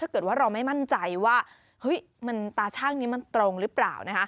เกิดว่าเราไม่มั่นใจว่าตาช่างนี้มันตรงหรือเปล่า